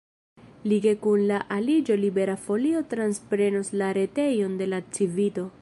Lige kun la aliĝo Libera Folio transprenos la retejon de la Civito.